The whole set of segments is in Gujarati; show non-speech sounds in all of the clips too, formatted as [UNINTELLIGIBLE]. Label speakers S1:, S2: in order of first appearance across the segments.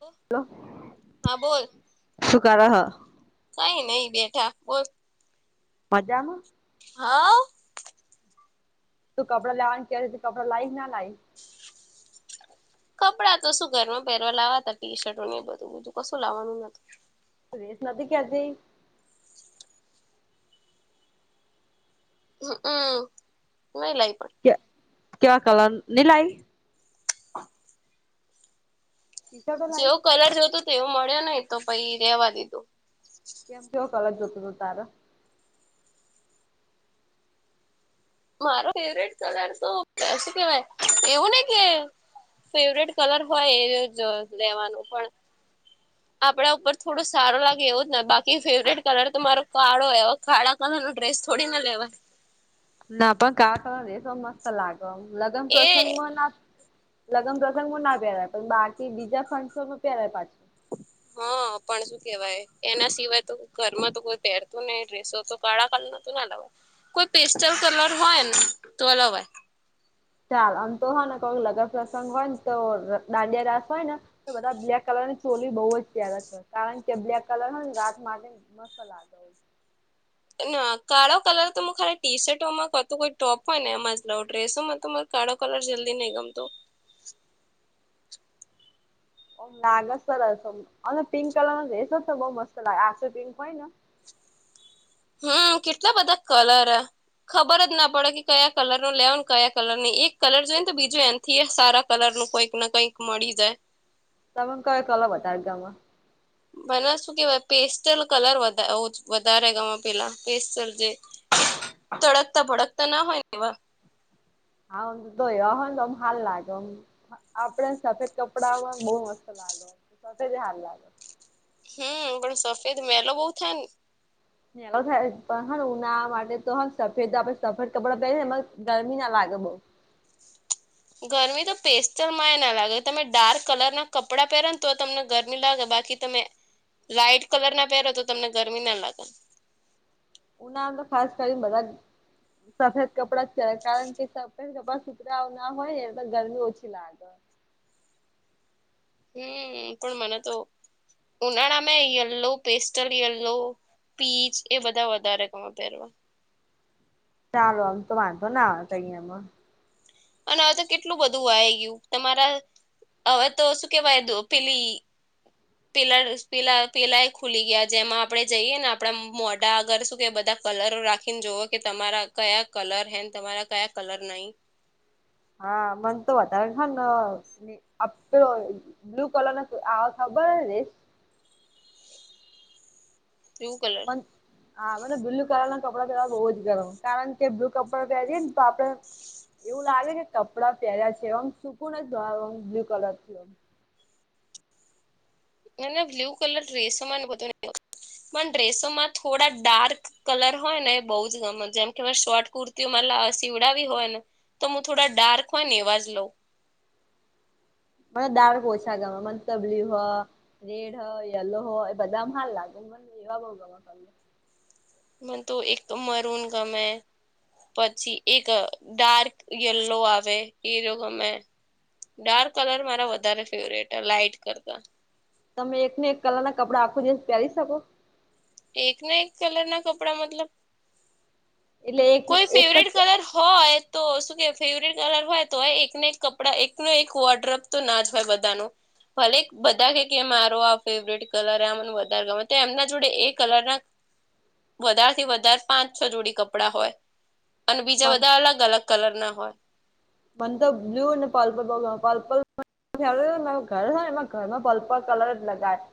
S1: હ
S2: હલો
S1: હા બોલ
S2: શું કરે હ?
S1: કઈ નહી બેઠા બોલ.
S2: મજામાં
S1: હા
S2: તું કપડા લેવાનું કે કપડા લાઈ કે ના લાઈ
S1: કપડાં તો શું ઘરમાં પહેરવા લાવવા તટી શર્ટને એ બધું બધું કશું લાવવાનું નતું.
S2: સુધનાથી કે આજ.
S1: હક હોય નહીં, લાવ પણ
S2: ક્યાં ક્યા કલાર ની લાઈ. ટી શર્ટો લાઈ
S1: જેવો કલર જોતો તેવો મળ્યો નહી તો પછી રેવા દીધું.
S2: કેમ કેવો કલર જોતો હતો તારો.
S1: મારો ફેવરીટ કલર તો શું કેવાય, એવું ને કે ફેવરિટ કલર હોય, એજ લેવાનું પણ
S2: હું.
S1: આપડા ઉપર થોડું સારું લાગે એવું જ ને બાકી ફેવરિટ કલર તો મારો કાળો એવો. કાળા કલર નો ડ્રેસ થોડી ના લેવાય.
S2: ના પણ કાળો દસ મસ્ત લાગ લગ્ન પ્રસંગ
S1: એ
S2: માં ના લગ્ન પ્રસંગમાં ના પહેરાય પણ બાકી બીજા ફંસો પહેરાય પાછો.
S1: હા
S2: [INAUDIBLE]
S1: પણ શું કેવાય એના સિવાય તો ઘરમાં તો કોઈ પહેરતું નહીં ડ્રેસો તો કાળા કલર નાતું ના લવ. કોઈ પેસ્ટલ કલર હોય ને તો લેવાય.
S2: ચાલ આમ તો હો ને કોઈક લગન પ્રસંગ હોય ને તો દાંડિયા રાસ હોય ને તો બધા બ્લેક કલર ની ચોલી બહુ જ પેરે છે, કારણ કે બ્લેક કલરને રાત માટે મસ્ત લાગે.
S1: ના કાળો કલર તો ખાલી ટી શર્ટમાં કરતું હોય, કોઈ ટોપ હોય ને એમાં જ લઉ ડ્રેસોમાં તો કાળો કલર જલ્દી નહીં ગમતો.
S2: લાગસ સરસ અને પિંક કલર નો રસ જ તો બઉ મસ્ત લાગે આ પિંક હોય ને
S1: હું કેટલા બધા કલર. ખબર જ ના પડે કે કયા કલર નો લેવને કયા કલર નની એક કલર જોઈએને તો બીજું એમ. થી એ સારા કલર નું કંઈક ના કંઈક મળી જાય.
S2: તમે કંઈક કલમ હતા, આમાં
S1: બને શું કેવાય પેસ્ટલ કલર વધારે ગમે પેલા પેસ્ટલ જે
S2: હ [UNINTELLIGIBLE]
S1: તડકતા ભડકતા ના હોય કેવા.
S2: હા તોય તો આમ હાલ લાગે, આપડે સફેદ કપડાં બહુ મસ્ત લાગી. લાગે સફેદ જ સાર લાગે.
S1: હે પણ સફેદ મેલો બહુ થાય ને.
S2: થાય પણ હેને ઉનાળા માટે તો હેને સફેદ આપડે સફેદ કપડા પેરી ને ગરમી ના લાગે બઉ.
S1: ગરમી તો પેસ્ટલમાં એ ના લાગે તમે ડાર્ક કલર ના કપડાં પહેરે ને તો તમને ગરમી લાગે બાકી તમે લાઈટ કલર ના પહેરો તો તમને ગરમી ના લાગે.
S2: ઉનાળા તો ખાસ કરીને બધા સફેદ કપડાં જ કરે કારણ કે સફેદ કપડાં સુતરા ના હોય ને એટલે ગરમી ઓછી લાગે.
S1: હું પણ મને તો ઉનાળામાં યલ્લો પેસ્ટલ યલ્લો પીચ એ બધા વધારે ગમે પહેરવા.
S2: ચાલો આમ તો વાંધો આવે કહીમાં
S1: અને આ તો કેટલું બધું આ ગયું તમારા. હવે તો શું કેવાય દો પેલી. પેલા, પેલા, પેલા એ ખુલી ગયા જેમાં આપડે જઈએ ને આપણા મોઢા આગર શું કે બધા. કલરો રાખીને જુવ કે તમારા કયા કલર હે તમારા કયા કલર નહીં.
S2: હા મન તો વધારે હને. આપે બ્લુ કલર ના આ ખબર જ હશે.
S1: બ્લુ કલર
S2: બંધ. હા મને બ્લુ કલર ના કપડાં પહેરવા બહુ જ ગરમ કારણ કે, બ્લુ કપડાં પહેરીએ ને તો આપડે એવું લાગે કે કપડાં પહેર્યા છે, એમ સૂકુંન નો બ્લુ કલર થી ઓમ.
S1: એને બ્લુ કલર ડ્રેસો માં બધું ન પણ ડ્રેસો માં થોડા ડાર્ક. કલર હોય ને એ બહુ જ જેમ કે શોર્ટ કુર્તીઓ મા સીવડાવી હોય ને તો હું થોડા ડાર્ક હોય ને એવા જ લઉં.
S2: મને ડાર્ક ઓછા ગમે મ તો બ્લુ હો રેડ હ યલો હોય એ બધામ હાલ લાગુ. એવા બોાવા ખ
S1: મ તો એક મરન ગમૈ પછી એક ડાર્ક યલો આવે એ જો ગમે. ડાર્ક કલર મારા વધારે ફેવરેટ લાઈટ કરતા.
S2: તમે એકને એક કલર ના કપડા આખો જે પહેરી શકો.
S1: એક ના એક કલર ના કપડા મતલબ
S2: એટલે એક
S1: કોઈ
S2: એક
S1: ફેવરેટ
S2: જ
S1: કલર હોય. તો શું કે ફેવરેટ કલર હોય તો એકના એક કપડા એકનો એક વોટરપ તો ના જ હોય બધાનું. ભલે બધા કે કે મારો આ ફેવરેટ કલર આ મને વધારે ગમે તો એમના જોડે એ કલર ના
S2: [INAUDIBLE]
S1: વધારે થી વધારે પાંચ છ જોડી કપડાં હોય અને બીજા બધા અલગ અલગ કલર ના હોય.
S2: મન તોર બ્લુ અને પર્પલ બવ ગમે છે. વ મા ઘર છે ને એમાં ઘરમાં પલ્પલ કલર જ લગાય.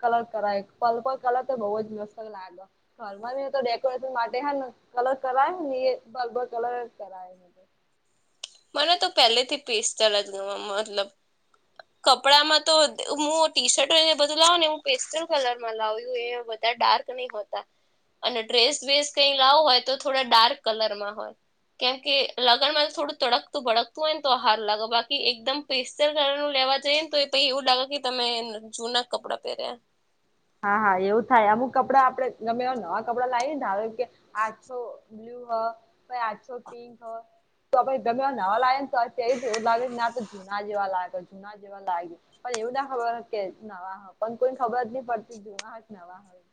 S2: કલર કરાય પલ કલર તો બહુ જ મસ્ત લાગલો. ઘરમાં ન તો ડેકોરેશન માટે હે ને કલર કરાય ને બબર કલર કરાય.
S1: મને તો પહેલેથી પેસ્ટ ચલા જ મતલબ.
S2: હ
S1: કપડામાં તો હું ટી શર્ટ હોય ને બધું લાવું ને હું પેસ્ટલ કલરમાં લાવ્યું એ બધા ડાર્ક નહી હોતા અને ડ્રેસ વસ કઈ લાવો હોય તો થોડા ડાર્ક કલરમાં હોય. કેમ કે લગ્નમાં થોડું. તડકતું ભડકતું હોય ને તો આ હાર લાગો બાકી એકદમ પેસ્ર કલરનું લેવા જઈએને તો પ એવું લાગે કે તમે જૂના કપડા પહેર્યા.
S2: હા હા એવું થાય અમુક કપડાં આપડે ગમે એ નવા કપડા લાવએને હ કે આજસો. બ્લુ હો પ આછો પિંક હો. તો ગમે નવા લાગે ને તો અ્યારે જ એવું લાગેને ના તો જુના જેવા લાગે જના. વા લાગ્યું પણ એવું ના ખબર કે પણ કોઈને ખબર જ નહી પડતી. જોવા હ નવા હોય.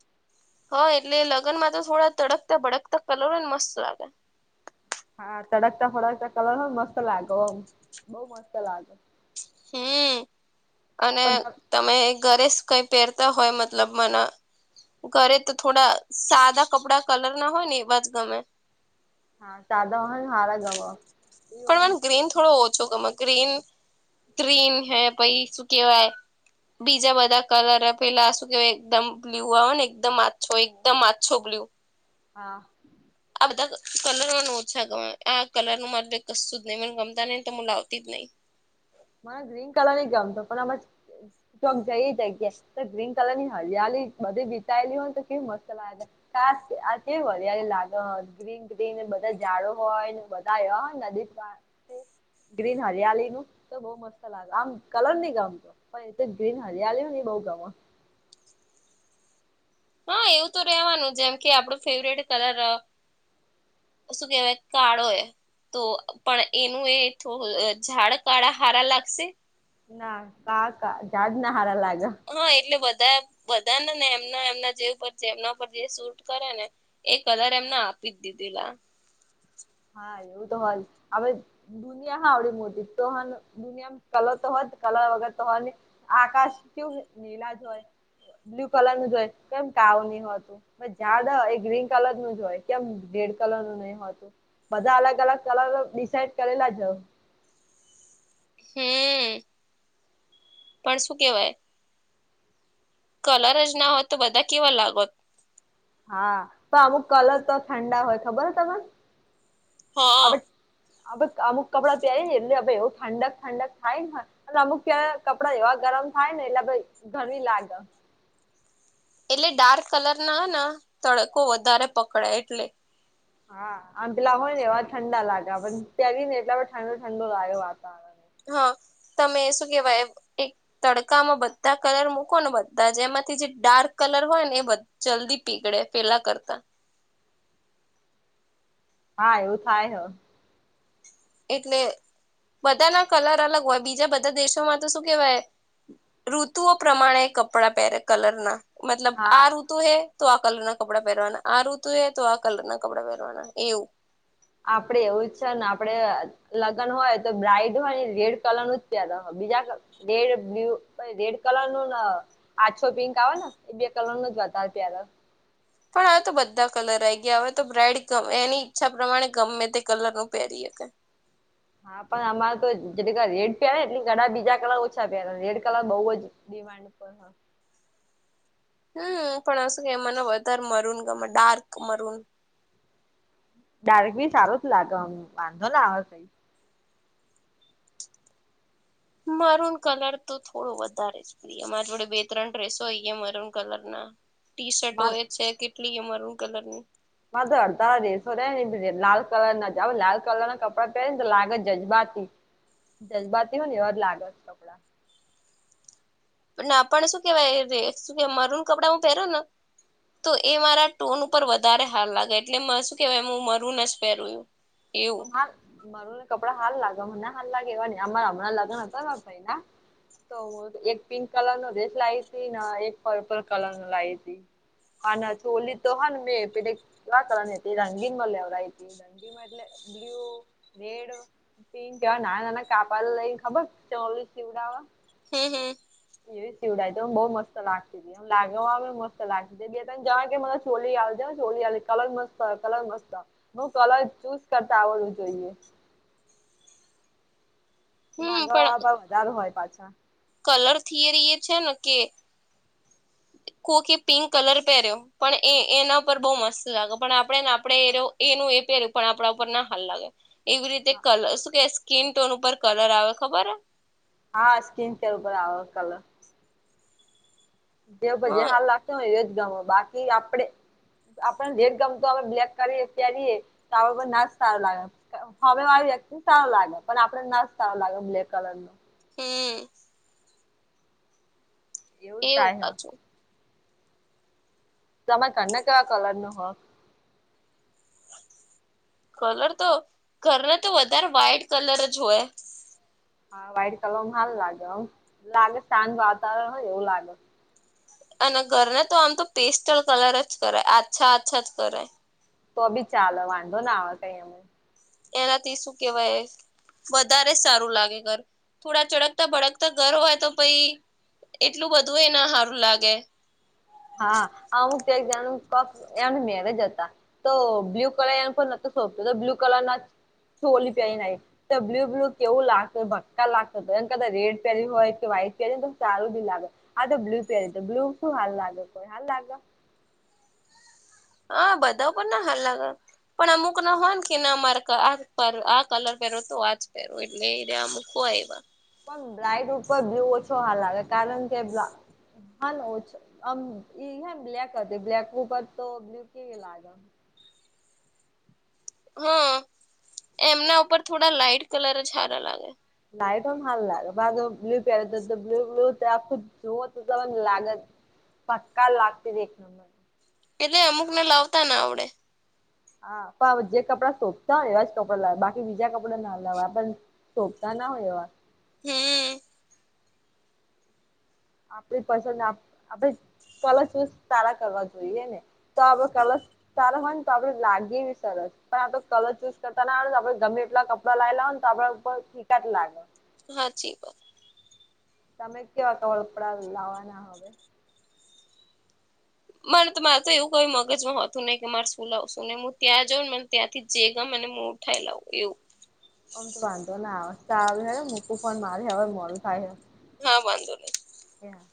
S1: હા એટલે લગ્ન માં તો થોડા તડકતા ભડકતા કલર ને મસ્ત લાગે.
S2: હા તડકતા ફડકતા કલર મસ્ત લાગોમ બહ મસ્ત લાગે.
S1: હમ અને
S2: પણ
S1: તમે ઘરે જ કઈ પહેરતા હોય મતલબ મને ઘરે તો થોડા સાદા કપડા કલર ના હોય ને એવા જ ગમે.
S2: હા તાદા વ હાર ગવા એ
S1: સ્ક્રીન થો ઓછો કમાં ગ્રીન ઉત્રીન હે પછ શું કેવાય બીજા બધા કલર પેલા શું કેહેવાય એકદમ બ્લુ આવે ને એકદમ માછો એકદમ માછો બ્લુ.
S2: હા
S1: આ બધા કલરોને ઓછા ગમે આ કલર નું મારે કશું જ નહી મને ગમતા નહ તો હું લાવતી જ નહી.
S2: મને ગ્રીન કલર ની ગમતો પણ આમ. ચક જઈ જગ્યા તો ગ્રીન કલર ની હરિયાલી બધી વિતાયેલી હોય તો કેવું મસ્ત લાગે. ક આ કેવ લાગ ગ્રીન ગ્રીન બધા જાડો હોય ને બધા નદી ગ્રીન હરિયાલીનું. તો બહ મસ્ત લાગે આમ કલર ની ગામ તો પણ ગ્રીન હરલ ને બઉ ગામ.
S1: હા એવું તો રેવાનું જેમ કે આપણું ફેવરેટ કલર શું કેહેવાય કાળો એ તો પણ એનું એ થોડું ઝાડ કાળા હારા લાગશે.
S2: ના કાકા જઝાડ ના હારલા.
S1: હા એટલે બધા બધા ને ને એમના એમના જે ઉપર એમના ઉપર જે શૂટ કરે ને એ કલર એમને આપી જ દીધેલા.
S2: હા એવું તો હોય હવે દુનિયા હ આવડી મોટી તો હ મ કલર તો હોય કલર વગર તો હોય ને આકાશ કયુ નીલા જ હોય. બ્લુ કલર નું જો હોય કેમ કાવ નહ હોતું. બ ઝાડ એ ગ્રીન કલર નું જ હોય કેમ રેડ કલર નું નહી હોતું. બધા અલગ અલગ કલર ડિસઇડ કરેલા જવ.
S1: હમ પણ શું કેવાય? કલર જ ના હોત તો બધા કેવા લાગો.
S2: હા તો અમુક કલર તો ઠંડા હોય ખબર હો તને
S1: હા
S2: હવે. હ અમુક કપડાં પહેરીય ને એટલે હ એવું ઠંડક ઠંડક થાય નેને અને અમુક ક કપડા એવા ગરમ થાય ને એટલે ઘણી લાગે.
S1: એટલે ડાર્ક કલર ના તડકો વધારે પકડે એટલે
S2: હા આ પેલા હોય ને એવા ઠંડા લાગ્યા પણ ત્યાંય ને એટલા ઠંડો ઠંડો આવ્યો વાતાવરણ
S1: હા તમે શું કેવાય એક. તડકામાં બધા કલર મૂકો ને બધા જ એમાંથી જે ડાર્ક કલર હોય ને એ બા જલ્દી પીગડે ફેલા કરતા.
S2: હા એવું થાય હ
S1: એટલે બધા ના કલર અલગ હોય બીજા બધા દેશોમાં તો શું કેહેવાય. ઋતુઓ પ્રમાણે કપડા પહેરે કલર ના મતલબ
S2: હા
S1: આઋતુ ઋતુ હૈ તો આ કલર ના કપડા પહેરવાના આ ઋતુ હે તો આ કલર ના કપડા પહેરવાના એવું.
S2: આપડે એવું છે ને આપડણેે લગ્ન હોય તો બ્રાાઈટ હોય ને રેડ કલર નું જ પ્યાદ હોય બીજા કલર દેડ બ્લુ દેડ કલર નું ના આછો પિંક આવે ને એ બે કલર નો જ વધારે પ્ય્યારે
S1: પણ હવે તો બધા કલર આ ગયા હવે તો બ્રાડ ગમે એની ઈચ્છા પ્રમાણે ગમે તે કલર નું પહેરી શકે.
S2: હા પણ અમારે તો જેટ રેડ પ્યા એટલે ઘણા બીજા કલર ઓછા પ્યા રેડ કલર બઉુ જ વાડ પર હ
S1: હમ પણું કે એ મને વધારે મરન ગમે ડાર્ક મરન.
S2: ડારેક બી સારો લાગ્યો વાંધો ને આવેઈ.
S1: મારન કલર તો થોડો વધારે છે. અમારી જોડે બે ત્રણ ડ્રેસો હોઈ મરૂન કલર ના ટી શર્ટ હો એ છે કેટલી એ મરણ કલરની
S2: મા તો અડધારા રસો ર ને લાલ કલર ના જ લાલ કલર ના કપડા પહેરે ને તો લાગત જજબાતી. જજ્બાતી હોય નેર લાગત.
S1: પણ આપણ શું કેહેવાય શું કે મર ન કપડા હું પહેર ને તો એ મારા ટોન ઉપર વધારે હાર લાગે એટલે શું કેહેવાય હું મરું ન જ પહેરું. એવ.
S2: હ માર ને કપડા હાલ લાગે મને હાલ લાગે એવા ન આરા હમણાં લગ્ન હતા ભાઈ. તો હું એક પિંક કલર નો ડ્રેસ લાવી હતી ને એક પર્પલ કલર નો લાવ હતી. હ છોલી તો હા મેં પી ક વા કરને હતી રંગીંગ મ લવય હતી. દંડીમાં એટલે બ્લુ રેડ પિ કેવા નાના નાના કાપલ લઈને ખબર ચોલીસ પીવડાવા.
S1: હમ હમ.
S2: એવી સીવડતો તો બઉ મસ્ત એ લાગતી છે. મ લાગવા મસ્ત લાગ બે તને જ કે મ ચોલી આવે ને ચોલી આવે કલર મસ્ત કલર મસ્ત હું કલર ચૂઝ કરતા આવડવું જોઈએ.
S1: હમ
S2: માગ
S1: પણ
S2: વધારેો હોય પાછા.
S1: કલર થિયરી એ છે ને કે કોખી પિંક કલર પહેર્યો પણ એ એના પર બહ મસ્ત લાગ્યો પણ આપણે ને આપડે એ્યો એનું એ પેર પણ આપણા ઉપર ના હાલ લાગે. એવી રીતે કલર શું કે સ્કીિન ટોન ઉપર કલર આવે ખબર હ
S2: હા સ્કીન કેર ઉપર આવે કલર. જે પ
S1: હા
S2: હાલ લાગતો હોય એ જ ગમે બાકી આપડે આપડ રેડ ગમતોું બ્લેક કરીએ્યારેએ તો ના જ સારો લાગે. હવે વાળ વ્યક્તિ સારો લાગે પણ આપડે ના જ સારો લાગે બ્લેક કલર નો
S1: હમ એવું ક
S2: થાય હ
S1: છું.
S2: તમામે કને કવા કલર નું હો.
S1: કલર તો ઘરના તો વધારે વ્હાઈટ કલર જ હોય.
S2: હા વ્હાઈટ કલરમાં હાલ લાગેમ લાગે શાંત વાતાવરણ હોય એવું લાગે.
S1: અને ઘરને તો આમ તો પેસ્ટલ કલર જ કરાય આચ્છા અ્છા જ કરાય.
S2: તો બી ચાલે વાંધો ના આવે કઈ અમે.
S1: એનાથી શું કેવાય? વધારે સારું લાગે ઘર થોડા ચડકતા ભડકતા ઘર હોય તો પછ. એટલું બધું એ ના સારું લાગે.
S2: હા અમુક ત એક જણ ક એ મેઘ જ હતા. તો બ્લ્યુ કલર પણ સોતો તો બ્લુ કલર ના ચ ઓલી પ્યાય ન તો બ્લુ બ્લુ કેવું લાગશે ભક્કા લાગશે એમ ક રેડ પેલી હોય કે વ્હાઈટ પેલી હો તો સારું જ લાગે. અ બ્લુ પેર બ્લુ શું હાલ લાગે કોઈ હલ્ લાગ.
S1: હ બધા પણ ના હાલ લાગે પણ અમુક ના હોયને કે અમારે આ પ આ કલર પહેરો તો આજ પહેરો એટ લઈ અમુક ખ એવા
S2: પણ બ્લાઇટ ઉપર બ ઓછો હાલ લાગે કારણ કે હા ઓછો આમ ઈ હે બ્લેક હતી બ્લેક ઉપર તો બ્લુ કેવી લાગે.
S1: હા એમના ઉપર થોડા લાાઈટ કલર જ હારા લાગે.
S2: લાઈટ પણ હાલ લાગે પા બ્લુ પહે તો બ્લુલ તો આખું જો તો લાગત. પક્કા લાગતી દ એક ન
S1: એટલે અમુક ને લાવતા ને આવડે.
S2: હા પણવે જે કપડાં શોભતા હોય એવા જ કપડા લાવ બાકી બીજા કપડા ના લાવવા પણ સોપતા ના હોયવા.
S1: હમ.
S2: આપ પસંદ આપે કલ ચૂ તારા કરવા જોઈએ ને તો અવે કાલ તાર હોય. તો આપડે લાગીવી સરસ પણ આ તો કલર ચૂઝ કરતા ના આવેે આપણે ગમે એટલા કપડાં લાવ લાવ ને તો આપડર શિકત લાગે.
S1: હાજી વાત.
S2: તમે કેવા વળપડા લાવવાના હવે
S1: મને મારે તો એવું કઈ મગજમાં હતું નહી કે મારે શું લાવું શું નને હું ત્યાં જાઉં નેને ત્યાંથી જે ગમ અને થયેલાવું એવું.
S2: આમ તો વાંધો ના આવે આવે હ મૂકું ફ મારે હવે મોલું થાય હ
S1: હા બાંધો નહી.
S2: હ [UNINTELLIGIBLE]